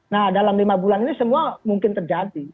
nah dalam lima bulan ini semua mungkin terjadi